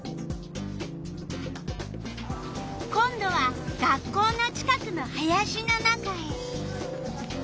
今度は学校の近くの林の中へ。